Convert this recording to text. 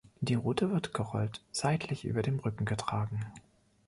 Die Rute wird gerollt seitlich über dem Rücken getragen.